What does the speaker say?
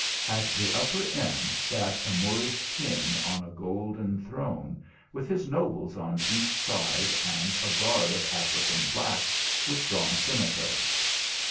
At the upper end sat a Moorish king on a golden throne, with his nobles on each side, and a guard of African blacks with drawn scimitai 5.